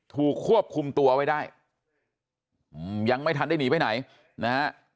ถูกควบคุมตัวไว้ได้ยังไม่ทันได้หนีไปไหนนะฮะ